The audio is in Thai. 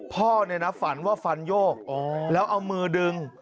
พ่อเนี่ยนะฝันว่าฟันโยกแล้วเอามือดึง